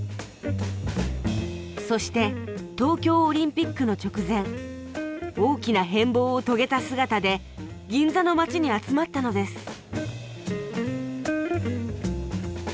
そして東京オリンピックの直前大きな変貌を遂げた姿で銀座の街に集まったのです